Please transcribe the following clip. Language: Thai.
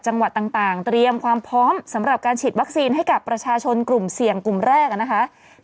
จังหวัดต่างเตรียมความพร้อมสำหรับการฉีดวัคซีนให้กับประชาชนกลุ่มเสี่ยงกลุ่มแรกนะคะ